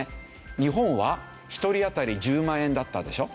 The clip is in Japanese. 日本は１人あたり１０万円だったでしょ。